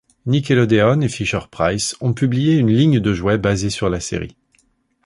Nickelodeon et Fisher-Price ont publié une ligne de jouets basée sur la série.